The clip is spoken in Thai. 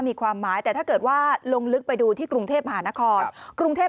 มีความหมายแต่ถ้าเกิดว่าลงลึกไปดูที่กรุงเทพมหานครกรุงเทพ